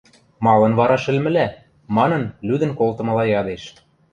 – Малын вара шӹлмӹлӓ? – манын лӱдӹн колтымыла ядеш.